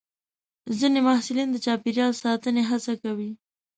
ځینې محصلین د چاپېریال ساتنې هڅه کوي.